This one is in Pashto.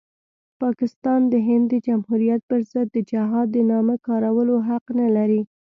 پاکستان د هند د جمهوریت پرضد د جهاد د نامه کارولو حق نلري.